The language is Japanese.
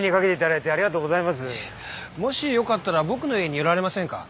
もしよかったら僕の家に寄られませんか？